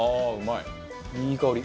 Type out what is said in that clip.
いい香り。